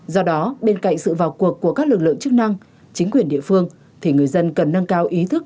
do đó bên cạnh sự vào cuộc của các lực lượng chức năng chính quyền địa phương thì người dân cần nâng cao ý thức